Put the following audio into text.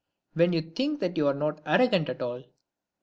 when you think that you are not arrogant at all."